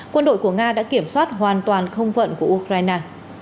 quân đội của nga đã kiểm soát hoàn toàn không vận của ukraine